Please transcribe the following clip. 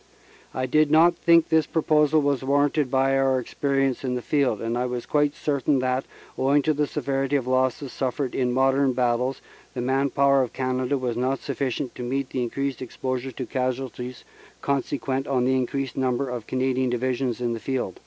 "I did not think that this proposal was warranted by our experience in the field, and I was quite certain that, owing to the severity of the losses suffered in modern battles, the man power of Canada was not sufficient to meet the increased exposure to casualties consequent on the increased number of Canadian Divisions in the field.